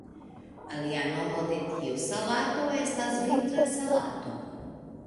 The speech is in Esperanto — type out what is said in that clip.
Alia nomo de tiu salato estas "Vintra salato".